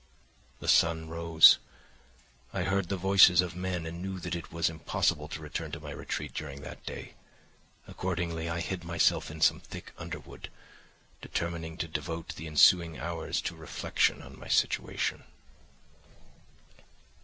"The sun rose; I heard the voices of men and knew that it was impossible to return to my retreat during that day. Accordingly I hid myself in some thick underwood, determining to devote the ensuing hours to reflection on my situation.